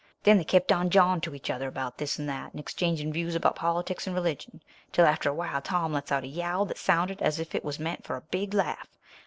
Then they kept on jawing to each other about this and that, and exchanging views about politics and religion, till after a while Tom lets out a yowl that sounded as if it was meant for a big laugh.